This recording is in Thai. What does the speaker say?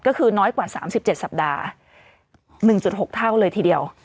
ก็คือน้อยกว่าสามสิบเจ็ดสัปดาห์หนึ่งจุดหกเท่าเลยทีเดียว